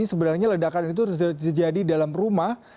sebenarnya ledakan itu terjadi dalam rumah